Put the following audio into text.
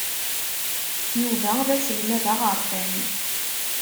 Yuba d aselmad aɣerfan.